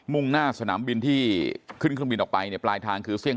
มุ่งหน้าสนามบินที่ขึ้นขึ้นบินออกไปในปลายทางคือเสี้ยง